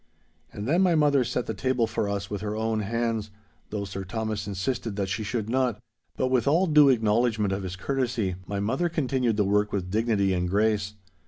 And then my mother set the table for us with her own hands, though Sir Thomas insisted that she should not; but with all due acknowledgment of his courtesy, my mother continued the work with dignity and grace.